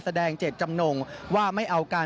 แสดงเจตจำนงว่าไม่เอากัน